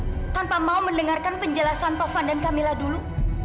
saya tanpa mau mendengarkan penjelasan tovan dan camilla dulu